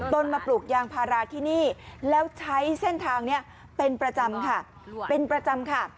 ต้นมาปลูกยางพาราที่นี่แล้วใช้เส้นทางเป็นประจำค่ะ